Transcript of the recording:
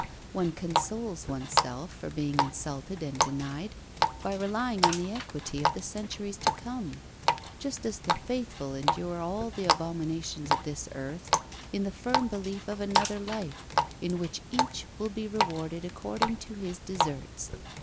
One consoles oneself for being insulted and denied, by relying on the equity of the centuries to come; just as the faithful endure all the abominations of this earth in the firm belief of another life, in which each will be rewarded according to his deserts.